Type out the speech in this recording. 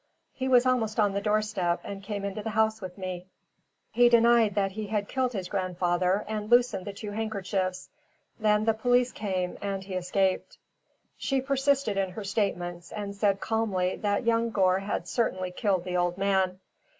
He was almost on the doorstep and came into the house with me. He denied that he had killed his grandfather and loosened the two handkerchiefs. Then the police came and he escaped." She persisted in her statements, and said calmly that young Gore had certainly killed the old man.